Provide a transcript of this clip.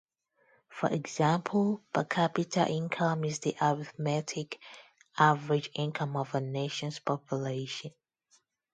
For example, per capita income is the arithmetic average income of a nation's population.